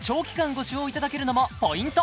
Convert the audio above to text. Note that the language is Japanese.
ご使用いただけるのもポイント！